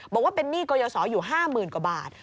บอกว่าเป็นหนี้กรยศอยู่๕๐๐๐กว่าบาท